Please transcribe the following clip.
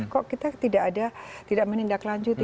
kok kita tidak ada tidak menindaklanjuti